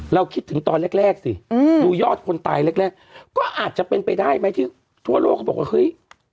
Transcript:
คิดถึงตอนแรกสิดูยอดคนตายแรกก็อาจจะเป็นไปได้ไหมที่ทั่วโลกเขาบอกว่าเฮ้ย